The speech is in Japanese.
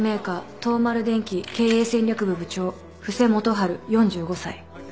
東丸電機経営戦略部部長布施元治４５歳。